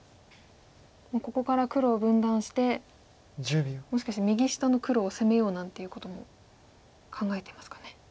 もうここから黒を分断してもしかして右下の黒を攻めようなんていうことも考えてますかね。